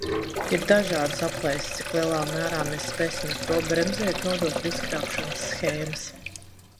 Ir dažādas aplēses, cik lielā mērā mēs spēsim ar to bremzēt nodokļu izkrāpšanas shēmas.